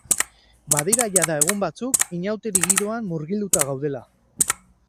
Badira jada egun batzuk inauteri giroan murgilduta gaudela.